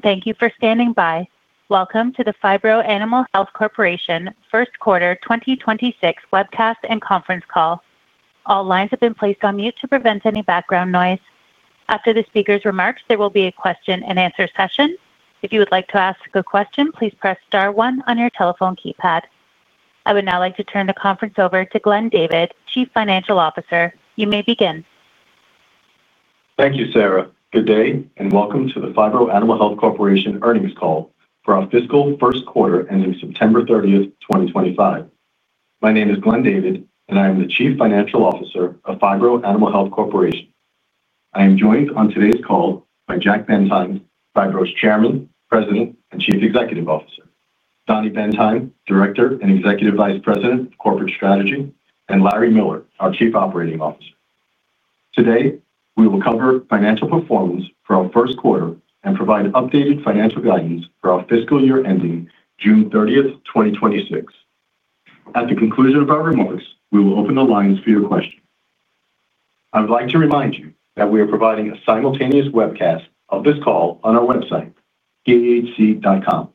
Thank you for standing by. Welcome to the Phibro Animal Health Corporation first quarter 2026 webcast and conference call. All lines have been placed on mute to prevent any background noise. After the speaker's remarks, there will be a question-and-answer session. If you would like to ask a question, please press star one on your telephone keypad. I would now like to turn the conference over to Glenn David, Chief Financial Officer. You may begin. Thank you, Sarah. Good day and welcome to the Phibro Animal Health Corporation earnings call for our fiscal first quarter ending September 30th, 2025. My name is Glenn David, and I am the Chief Financial Officer of Phibro Animal Health Corporation. I am joined on today's call by Jack Bendheim, Phibro's Chairman, President, and Chief Executive Officer; Dani Bendheim, Director and Executive Vice President of Corporate Strategy; and Larry Miller, our Chief Operating Officer. Today, we will cover financial performance for our first quarter and provide updated financial guidance for our fiscal year ending June 30th, 2026. At the conclusion of our remarks, we will open the lines for your questions. I would like to remind you that we are providing a simultaneous webcast of this call on our website, pahc.com.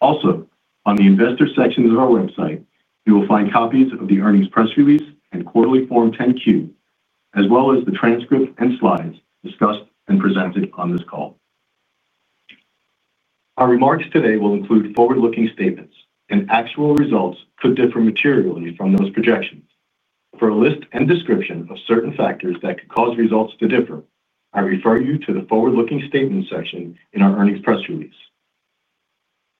Also, on the Investor sections of our website, you will find copies of the earnings press release and quarterly Form 10-Q, as well as the transcript and slides discussed and presented on this call. Our remarks today will include forward-looking statements, and actual results could differ materially from those projections. For a list and description of certain factors that could cause results to differ, I refer you to the forward-looking statements section in our earnings press release.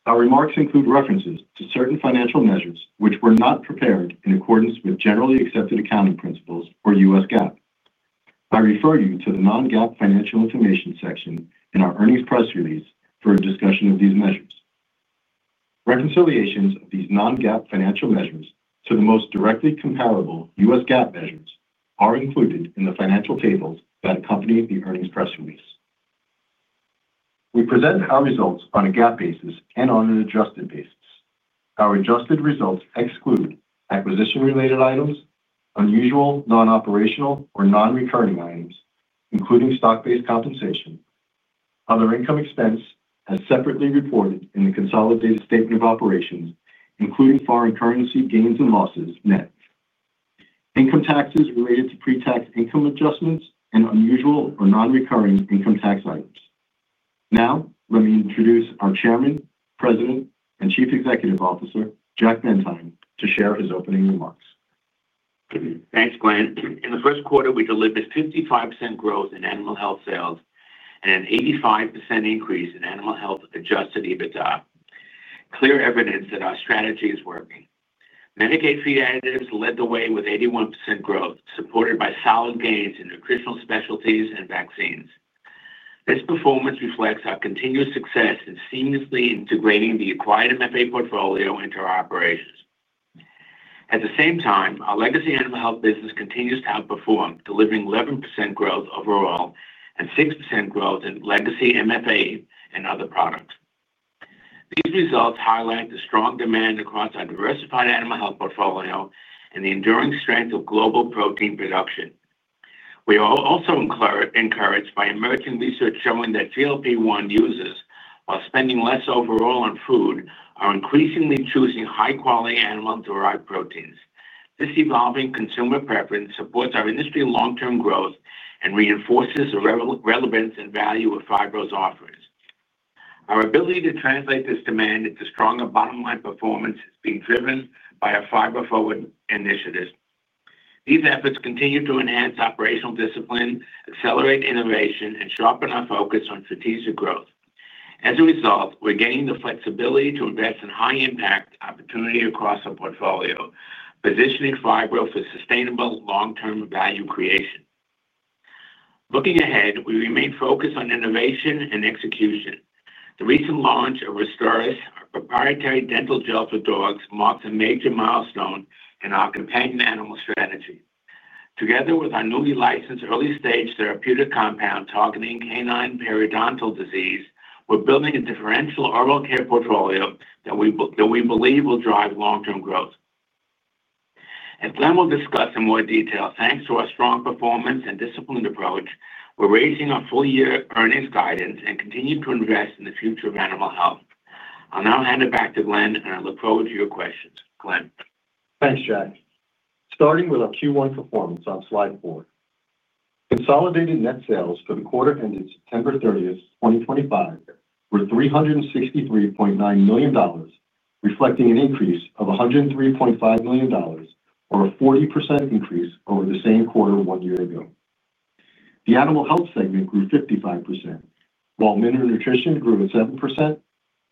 Our remarks include references to certain financial measures which were not prepared in accordance with generally accepted accounting principles or US GAAP. I refer you to the non-GAAP financial information section in our earnings press release for a discussion of these measures. Reconciliations of these non-GAAP financial measures to the most directly comparable US GAAP measures are included in the financial tables that accompany the earnings press release. We present our results on a GAAP basis and on an adjusted basis. Our adjusted results exclude acquisition-related items, unusual non-operational or non-recurring items, including stock-based compensation. Other income expense is separately reported in the consolidated statement of operations, including foreign currency gains and losses net. Income taxes related to pre-tax income adjustments and unusual or non-recurring income tax items. Now, let me introduce our Chairman, President, and Chief Executive Officer, Jack Bendheim, to share his opening remarks. Thanks, Glenn. In the first quarter, we delivered 55% growth in animal health sales and an 85% increase in animal health adjusted EBITDA. Clear evidence that our strategy is working. Medicated feed additives led the way with 81% growth, supported by solid gains in nutritional specialties and vaccines. This performance reflects our continued success in seamlessly integrating the acquired MFA portfolio into our operations. At the same time, our legacy animal health business continues to outperform, delivering 11% growth overall and 6% growth in legacy MFA and other products. These results highlight the strong demand across our diversified animal health portfolio and the enduring strength of global protein production. We are also encouraged by emerging research showing that GLP-1 users, while spending less overall on food, are increasingly choosing high-quality animal-derived proteins. This evolving consumer preference supports our industry long-term growth and reinforces the relevance and value of Phibro's offerings. Our ability to translate this demand into stronger bottom-line performance is being driven by our Phibro-forward initiatives. These efforts continue to enhance operational discipline, accelerate innovation, and sharpen our focus on strategic growth. As a result, we're gaining the flexibility to invest in high-impact opportunity across our portfolio, positioning Phibro for sustainable long-term value creation. Looking ahead, we remain focused on innovation and execution. The recent launch of Restoris, our proprietary dental gel for dogs, marks a major milestone in our companion animal strategy. Together with our newly licensed early-stage therapeutic compound targeting canine periodontal disease, we're building a differential oral care portfolio that we believe will drive long-term growth. As Glenn will discuss in more detail, thanks to our strong performance and disciplined approach, we're raising our full-year earnings guidance and continue to invest in the future of animal health. I'll now hand it back to Glenn, and I look forward to your questions. Glenn. Thanks, Jack. Starting with our Q1 performance on slide four. Consolidated net sales for the quarter ending September 30, 2025, were $363.9 million, reflecting an increase of $103.5 million, or a 40% increase over the same quarter one year ago. The animal health segment grew 55%, while mineral nutrition grew at 7%,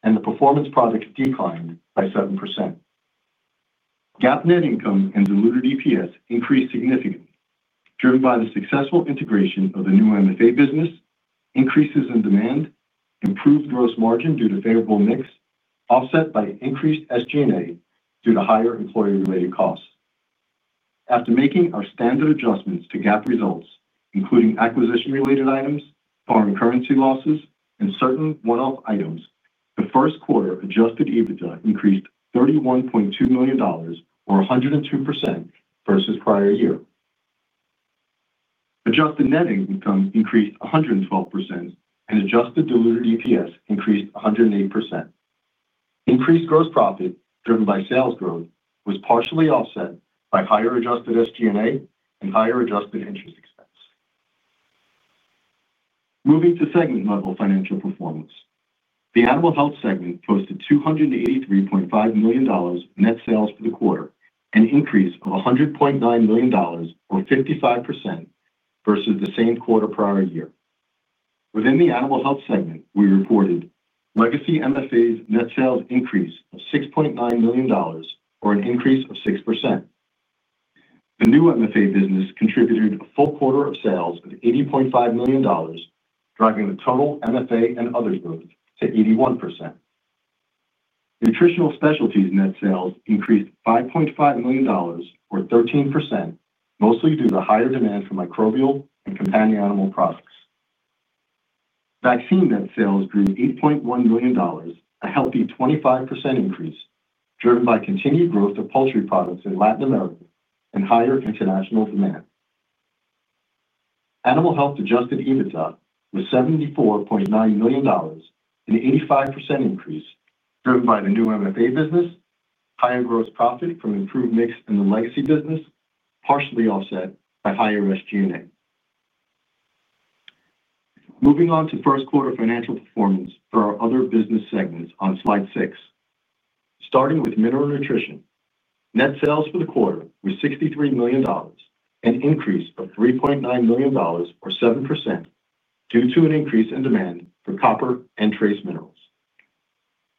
and the performance product declined by 7%. GAAP net income and diluted EPS increased significantly, driven by the successful integration of the new MFA business, increases in demand, improved gross margin due to favorable mix, offset by increased SG&A due to higher employee-related costs. After making our standard adjustments to GAAP results, including acquisition-related items, foreign currency losses, and certain one-off items, the first quarter adjusted EBITDA increased $31.2 million, or 102%, versus prior year. Adjusted net income increased 112%, and adjusted diluted EPS increased 108%. Increased gross profit, driven by sales growth, was partially offset by higher adjusted SG&A and higher adjusted interest expense. Moving to segment-level financial performance, the animal health segment posted $283.5 million net sales for the quarter, an increase of $100.9 million, or 55%, versus the same quarter prior year. Within the animal health segment, we reported legacy MFA's net sales increase of $6.9 million, or an increase of 6%. The new MFA business contributed a full quarter of sales of $80.5 million, driving the total MFA and others growth to 81%. Nutritional specialties net sales increased $5.5 million, or 13%, mostly due to higher demand for microbial and companion animal products. Vaccine net sales grew $8.1 million, a healthy 25% increase, driven by continued growth of poultry products in Latin America and higher international demand. Animal health adjusted EBITDA was $74.9 million, an 85% increase, driven by the new MFA business, higher gross profit from improved mix in the legacy business, partially offset by higher SG&A. Moving on to first quarter financial performance for our other business segments on slide six. Starting with mineral nutrition, net sales for the quarter was $63 million, an increase of $3.9 million, or 7%, due to an increase in demand for copper and trace minerals.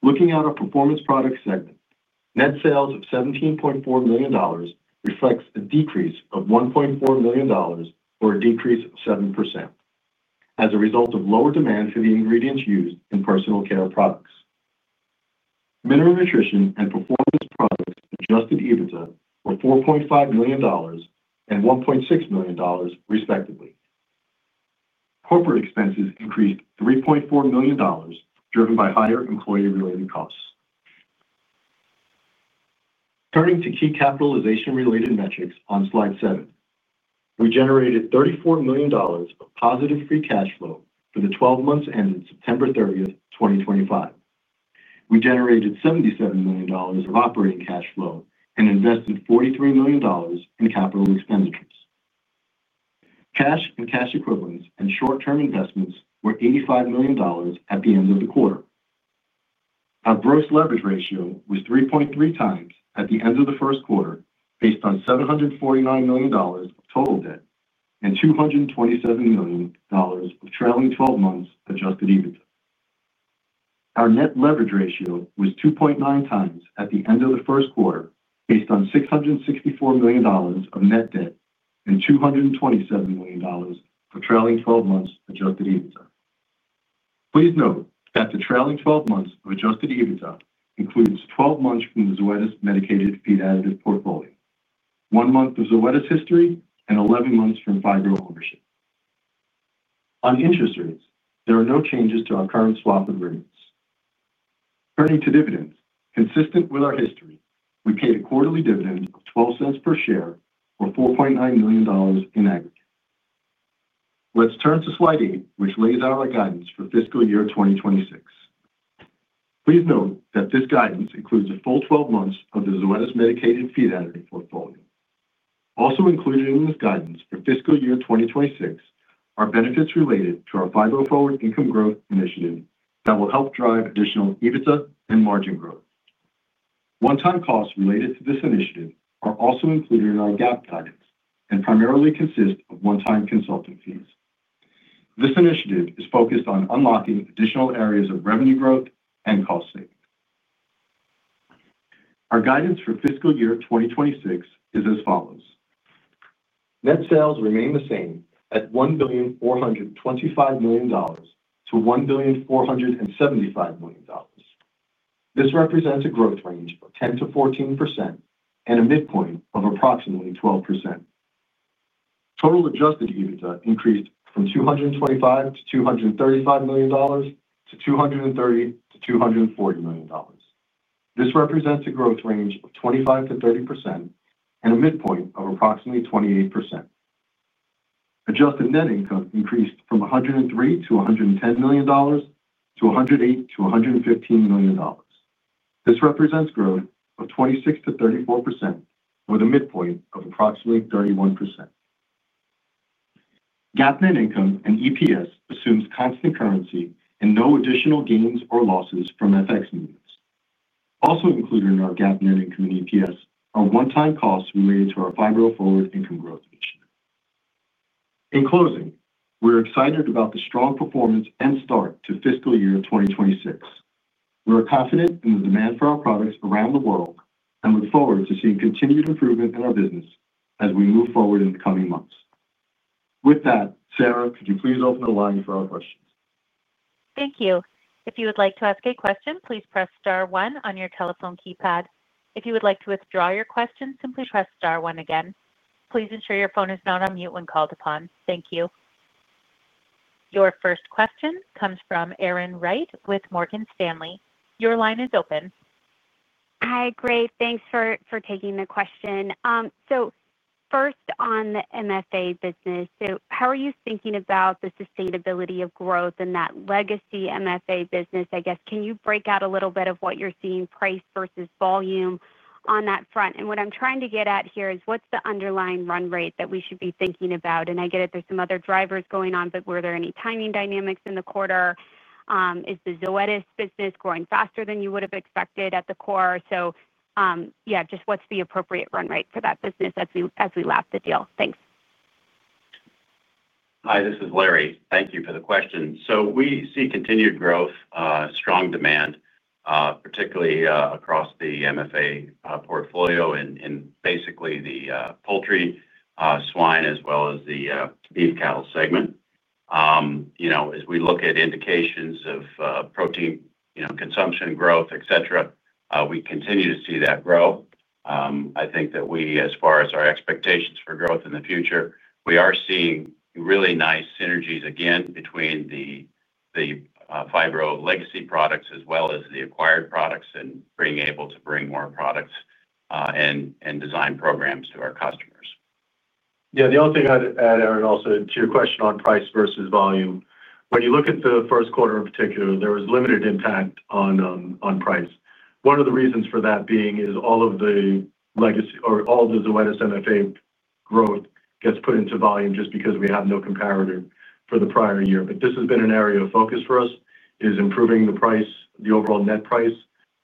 Looking at our performance product segment, net sales of $17.4 million reflects a decrease of $1.4 million, or a decrease of 7%, as a result of lower demand for the ingredients used in personal care products. Mineral nutrition and performance products adjusted EBITDA were $4.5 million and $1.6 million, respectively. Corporate expenses increased $3.4 million, driven by higher employee-related costs. Turning to key capitalization-related metrics on slide seven, we generated $34 million of positive free cash flow for the 12 months ending September 30th, 2025. We generated $77 million of operating cash flow and invested $43 million in capital expenditures. Cash and cash equivalents and short-term investments were $85 million at the end of the quarter. Our gross leverage ratio was 3.3x at the end of the first quarter, based on $749 million of total debt and $227 million of trailing 12 months adjusted EBITDA. Our net leverage ratio was 2.9x at the end of the first quarter, based on $664 million of net debt and $227 million for trailing 12 months adjusted EBITDA. Please note that the trailing 12 months of adjusted EBITDA includes 12 months from the Zoetis medicated feed additive portfolio, one month of Zoetis history, and 11 months from Phibro ownership. On interest rates, there are no changes to our current swap agreements. Turning to dividends, consistent with our history, we paid a quarterly dividend of $0.12 per share, or $4.9 million in aggregate. Let's turn to slide eight, which lays out our guidance for fiscal year 2026. Please note that this guidance includes a full 12 months of the Zoetiss medicated feed additive portfolio. Also included in this guidance for fiscal year 2026 are benefits related to our Phibro-forward income growth initiative that will help drive additional EBITDA and margin growth. One-time costs related to this initiative are also included in our GAAP guidance and primarily consist of one-time consulting fees. This initiative is focused on unlocking additional areas of revenue growth and cost savings. Our guidance for fiscal year 2026 is as follows. Net sales remain the same at $1,425 million-$1,475 million. This represents a growth range of 10%-14% and a midpoint of approximately 12%. Total adjusted EBITDA increased from $225 million-$235 million to $230 million-$240 million. This represents a growth range of 25%-30% and a midpoint of approximately 28%. Adjusted net income increased from $103 million-$110 million to $108 million-$115 million. This represents growth of 26%-34%, with a midpoint of approximately 31%. GAAP net income and EPS assumes constant currency and no additional gains or losses from FX movements. Also included in our GAAP net income and EPS are one-time costs related to our Phibro-forward income growth initiative. In closing, we're excited about the strong performance and start to fiscal year 2026. We're confident in the demand for our products around the world and look forward to seeing continued improvement in our business as we move forward in the coming months. With that, Sarah, could you please open the line for our questions? Thank you. If you would like to ask a question, please press star one on your telephone keypad. If you would like to withdraw your question, simply press star one again. Please ensure your phone is not on mute when called upon. Thank you. Your first question comes from Erin Wright with Morgan Stanley. Your line is open. Hi, great. Thanks for taking the question. First, on the MFA business, how are you thinking about the sustainability of growth in that legacy MFA business? I guess, can you break out a little bit of what you're seeing price versus volume on that front? What I'm trying to get at here is what's the underlying run rate that we should be thinking about? I get it, there are some other drivers going on, but were there any timing dynamics in the quarter? Is Zoetis business growing faster than you would have expected at the core? Just, what's the appropriate run rate for that business as we wrap the deal? Thanks. Hi, this is Larry. Thank you for the question. We see continued growth, strong demand, particularly across the MFA portfolio in basically the poultry, swine, as well as the beef cattle segment. As we look at indications of protein consumption, growth, et cetera, we continue to see that grow. I think that we, as far as our expectations for growth in the future, we are seeing really nice synergies again between the Phibro legacy products as well as the acquired products and being able to bring more products and design programs to our customers. Yeah, the only thing I'd add, Erin, also to your question on price versus volume, when you look at the first quarter in particular, there was limited impact on price. One of the reasons for that being is all of the legacy or all of the Zoetis MFA growth gets put into volume just because we have no comparator for the prior year. This has been an area of focus for us, is improving the price, the overall net price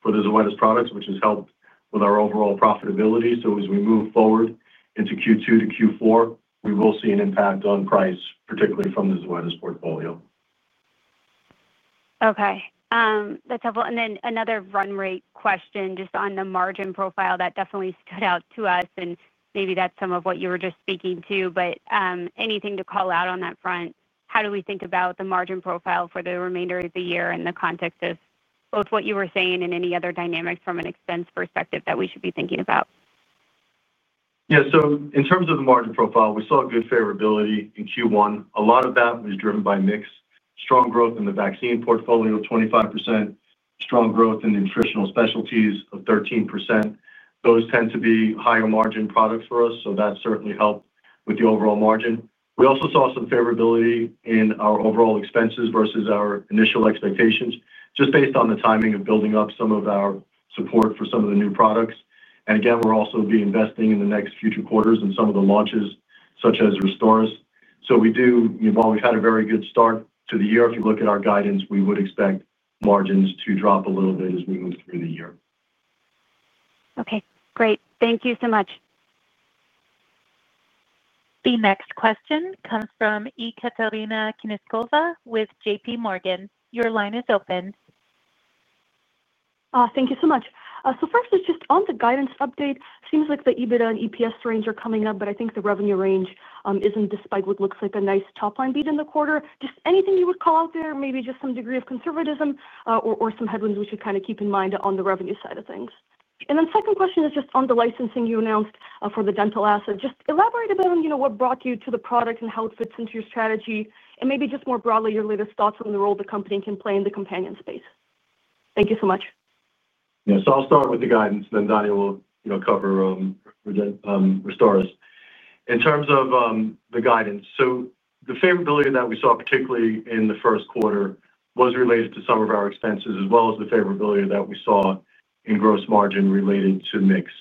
for the Zoetis products, which has helped with our overall profitability. As we move forward into Q2 to Q4, we will see an impact on price, particularly from the Zoetis portfolio. Okay. That's helpful. Then another run rate question just on the margin profile that definitely stood out to us, and maybe that's some of what you were just speaking to, but anything to call out on that front? How do we think about the margin profile for the remainder of the year in the context of both what you were saying and any other dynamics from an expense perspective that we should be thinking about? Yeah, so in terms of the margin profile, we saw good favorability in Q1. A lot of that was driven by mix. Strong growth in the vaccine portfolio of 25%, strong growth in nutritional specialties of 13%. Those tend to be higher margin products for us, so that certainly helped with the overall margin. We also saw some favorability in our overall expenses versus our initial expectations, just based on the timing of building up some of our support for some of the new products. Again, we're also going to be investing in the next few quarters in some of the launches, such as Restoris. We do, while we've had a very good start to the year, if you look at our guidance, we would expect margins to drop a little bit as we move through the year. Okay, great. Thank you so much. The next question comes from Ekaterina Knyazkova with JPMorgan. Your line is open. Thank you so much. First, just on the guidance update, it seems like the EBITDA and EPS range are coming up, but I think the revenue range is not, despite what looks like a nice top-line beat in the quarter. Just anything you would call out there, maybe just some degree of conservatism or some headwinds we should kind of keep in mind on the revenue side of things. The second question is just on the licensing you announced for the dental asset. Just elaborate a bit on what brought you to the product and how it fits into your strategy, and maybe just more broadly, your latest thoughts on the role the company can play in the companion space. Thank you so much. Yeah, so I'll start with the guidance, then Dani will cover Restoris. In terms of the guidance, the favorability that we saw, particularly in the first quarter, was related to some of our expenses, as well as the favorability that we saw in gross margin related to mix.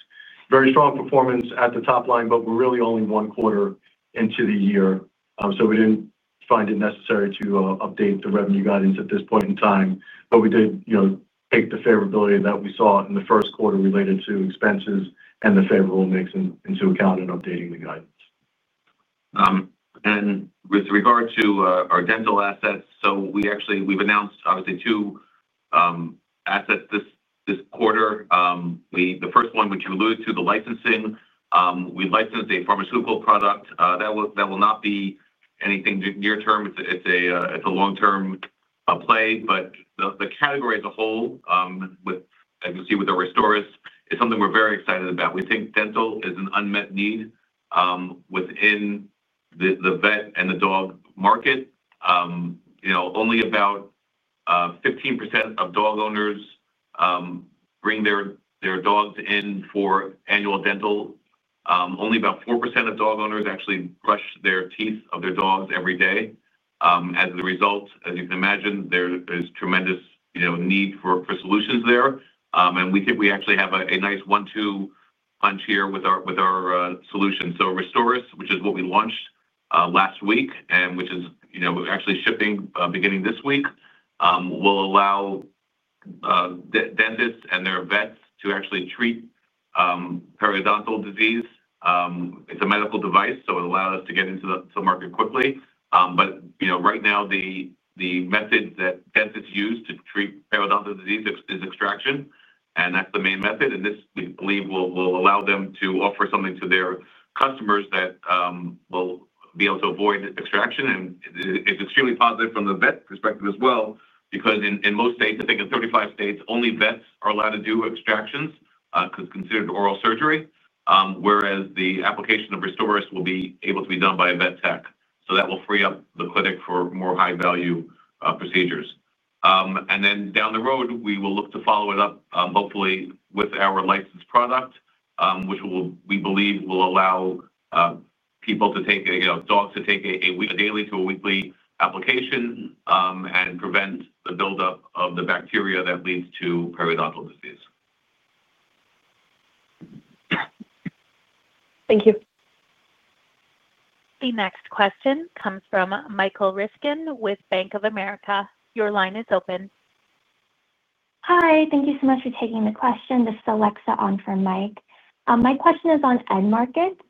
Very strong performance at the top line, but we're really only one quarter into the year, so we didn't find it necessary to update the revenue guidance at this point in time. We did take the favorability that we saw in the first quarter related to expenses and the favorable mix into account in updating the guidance. With regard to our dental assets, we have announced, obviously, two assets this quarter. The first one, which you alluded to, the licensing. We licensed a pharmaceutical product. That will not be anything near-term. It is a long-term play. The category as a whole, as you see with the Restoris, is something we are very excited about. We think dental is an unmet need within the vet and the dog market. Only` about 15% of dog owners bring their dogs in for annual dental. Only about 4% of dog owners actually brush the teeth of their dogs every day. As a result, as you can imagine, there is tremendous need for solutions there. We think we actually have a nice one-two punch here with our solution. Restoris, which is what we launched last week and which is actually shipping beginning this week, will allow. Dentists and their vets to actually treat periodontal disease. It's a medical device, so it allowed us to get into the market quickly. Right now, the method that dentists use to treat periodontal disease is extraction, and that's the main method. This, we believe, will allow them to offer something to their customers that will be able to avoid extraction. It's extremely positive from the vet perspective as well, because in most states, I think in 35 states, only vets are allowed to do extractions because it's considered oral surgery, whereas the application of Restoris will be able to be done by a vet tech. That will free up the clinic for more high-value procedures. Down the road, we will look to follow it up, hopefully with our licensed product, which we believe will allow. People to take dogs to take a daily to a weekly application and prevent the buildup of the bacteria that leads to periodontal disease. Thank you. The next question comes from Michael Ryskin with Bank of America. Your line is open. Hi, thank you so much for taking the question. This is Alexa on for Mike. My question is on end markets.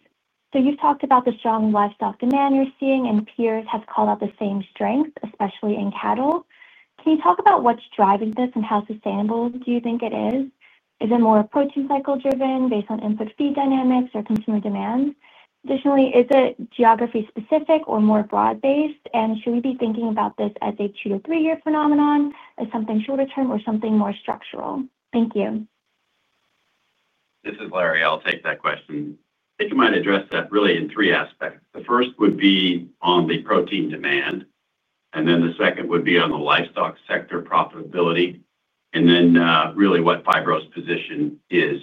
So you've talked about the strong livestock demand you're seeing, and peers have called out the same strength, especially in cattle. Can you talk about what's driving this and how sustainable do you think it is? Is it more protein cycle-driven based on input feed dynamics or consumer demand? Additionally, is it geography-specific or more broad-based? And should we be thinking about this as a two to three-year phenomenon, as something shorter-term, or something more structural? Thank you. This is Larry. I'll take that question. If you mind, address that really in three aspects. The first would be on the protein demand, and then the second would be on the livestock sector profitability, and then really what Phibro's position is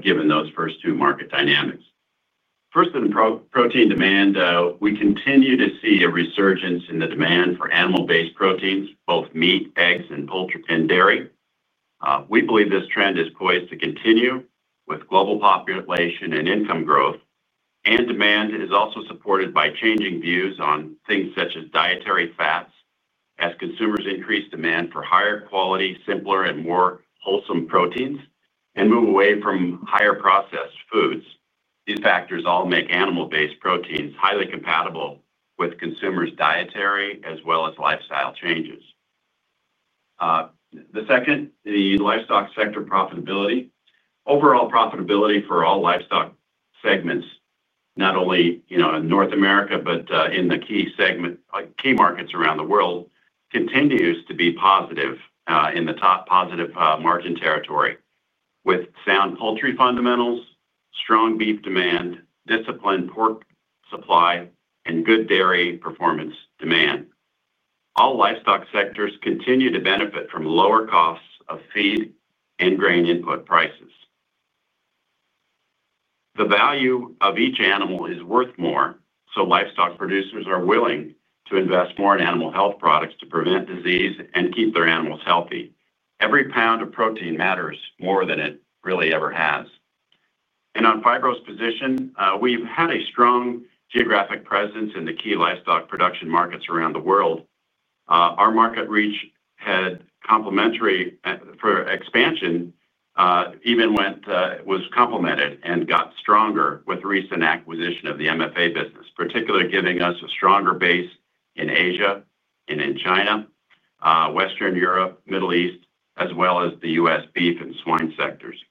given those first two market dynamics. First, in protein demand, we continue to see a resurgence in the demand for animal-based proteins, both meat, eggs, and dairy. We believe this trend is poised to continue with global population and income growth. Demand is also supported by changing views on things such as dietary fats as consumers increase demand for higher quality, simpler, and more wholesome proteins and move away from higher processed foods. These factors all make animal-based proteins highly compatible with consumers' dietary as well as lifestyle changes. The second, the livestock sector profitability. Overall profitability for all livestock segments, not only in North America but in the key markets around the world, continues to be positive in the top positive margin territory with sound poultry fundamentals, strong beef demand, disciplined pork supply, and good dairy performance demand. All livestock sectors continue to benefit from lower costs of feed and grain input prices. The value of each animal is worth more, so livestock producers are willing to invest more in animal health products to prevent disease and keep their animals healthy. Every pound of protein matters more than it really ever has. On Phibro's position, we've had a strong geographic presence in the key livestock production markets around the world. Our market reach had complementary for expansion. Even. Went was complemented and got stronger with recent acquisition of the MFA business, particularly giving us a stronger base in Asia and in China. Western Europe, Middle East, as well as the US beef and swine sectors.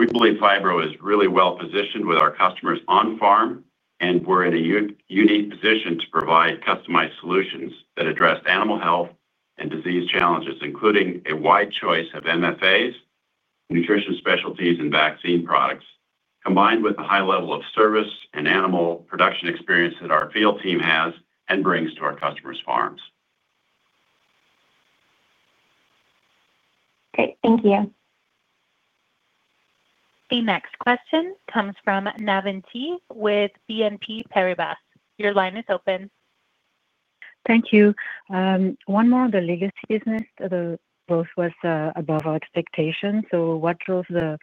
We believe Phibro is really well-positioned with our customers on farm, and we're in a unique position to provide customized solutions that address animal health and disease challenges, including a wide choice of MFAs, nutritional specialties, and vaccine products, combined with the high level of service and animal production experience that our field team has and brings to our customers' farms. Okay, thank you. The next question comes from Navann Ty with BNP Paribas. Your line is open. Thank you. One more on the legacy business. The growth was above our expectations. What drove the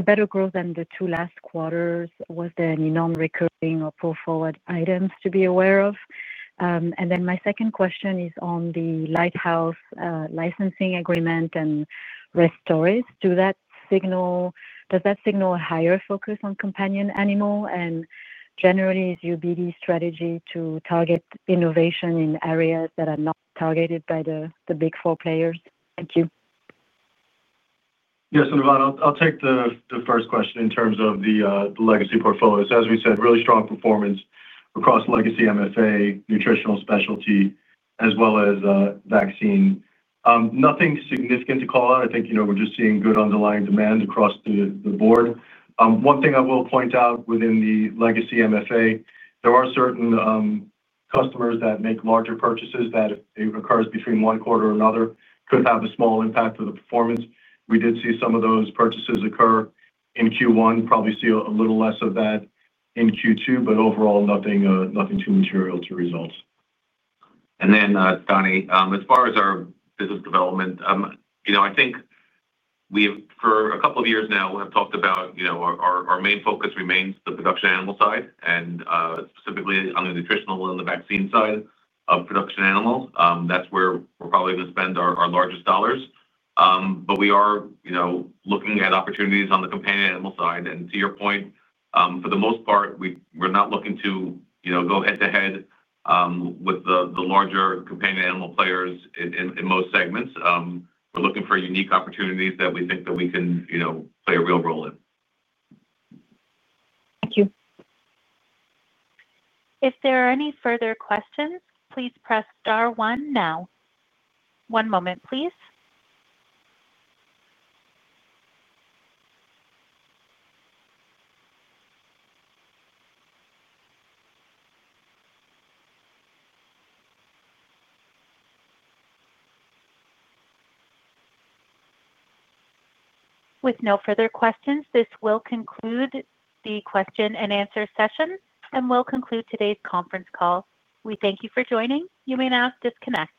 better growth in the two last quarters? Was there any non-recurring or pull-forward items to be aware of? My second question is on the Lighthouse licensing agreement and Restoris. Does that signal a higher focus on companion animal? Generally, is Phibro's strategy to target innovation in areas that are not targeted by the big four players? Thank you. Yes, I'll take the first question in terms of the legacy portfolios. As we said, really strong performance across legacy MFA, nutritional specialty, as well as vaccine. Nothing significant to call out. I think we're just seeing good underlying demand across the board. One thing I will point out within the legacy MFA, there are certain customers that make larger purchases that occur between one quarter and another could have a small impact on the performance. We did see some of those purchases occur in Q1. Probably see a little less of that in Q2, but overall, nothing too material to results. Dani, as far as our business development, I think for a couple of years now, we have talked about our main focus remains the production animal side and specifically on the nutritional and the vaccine side of production animals. That is where we are probably going to spend our largest dollars. We are looking at opportunities on the companion animal side. To your point, for the most part, we are not looking to go head-to-head with the larger companion animal players in most segments. We are looking for unique opportunities that we think that we can play a real role in. Thank you. If there are any further questions, please press star one now. One moment, please. With no further questions, this will conclude the question-and-answer session and will conclude today's conference call. We thank you for joining. You may now disconnect.